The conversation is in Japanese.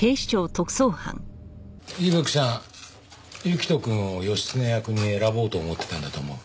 行人くんを義経役に選ぼうと思ってたんだと思う。